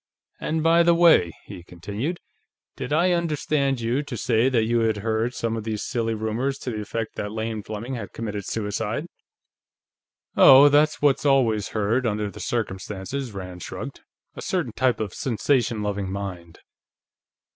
And by the way," he continued, "did I understand you to say that you had heard some of these silly rumors to the effect that Lane Fleming had committed suicide?" "Oh, that's what's always heard, under the circumstances," Rand shrugged. "A certain type of sensation loving mind..."